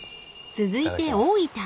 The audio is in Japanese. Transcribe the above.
［続いて大分］